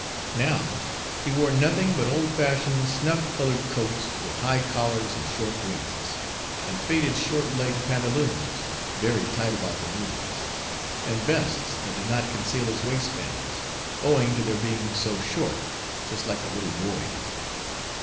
Now, he wore nothing but old fashioned snuff colored coats, with high collars and short waists; and faded, short legged pantaloons, very tight about the knees; and vests, that did not conceal his waistbands, owing to their being so short, just like a little boy's.